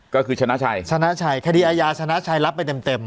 ก็คือชนะชัยชนะชัยคดีอาญาชนะชัยรับไปเต็ม